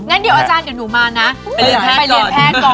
งั้นเดี๋ยวอาจารย์เดี๋ยวหนูมานะไปเรียนแพทย์ก่อน